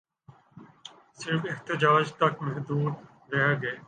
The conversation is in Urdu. صرف احتجاج تک محدود رہ گئے